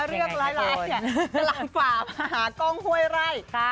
เรื่องร้ายแหล่งฝ่ามาหากล้องเฮ้ยไร่